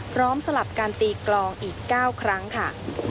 สลับการตีกลองอีก๙ครั้งค่ะ